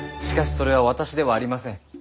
しかしそれは私ではありません。